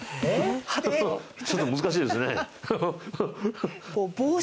ちょっと難しいですね。